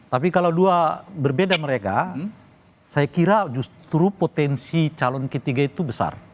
tapi kalau dua berbeda mereka saya kira justru potensi calon ketiga itu besar